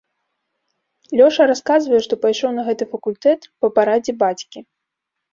Лёша расказвае, што пайшоў на гэты факультэт па парадзе бацькі.